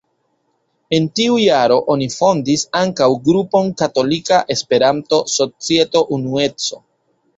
En tiu jaro oni fondis ankaŭ grupon Katolika Esperanto-Societo Unueco.